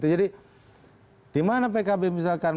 jadi dimana pkb misalkan